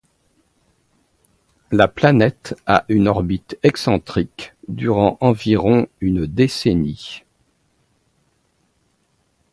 La planète a une orbite excentrique durant environ une décennie.